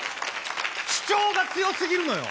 主張が強すぎるのよ。